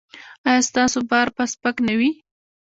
ایا ستاسو بار به سپک نه وي؟